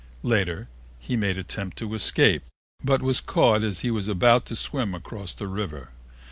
Later, he made an attempt to escape but was caught as he was about to swim across the river.